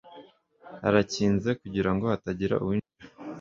arakinze kugira ngo hatagira uwinjira